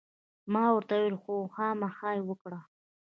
ما ورته وویل: هو، خامخا یې وکړه.